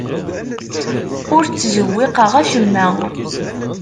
Ur ttzewwiqeɣ acemma.